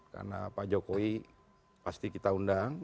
karena pak jokowi pasti kita undang